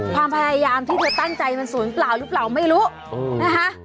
ความพยายามที่เธอตั้งใจมันศูนย์เปล่าหรือเปล่าไม่รู้นะคะ